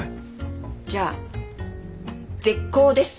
じゃあ絶交です。